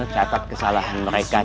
catat kesalahan mereka